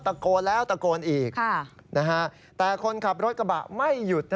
ตะโกนแล้วตะโกนอีกแต่คนขับรถกระบะไม่หยุด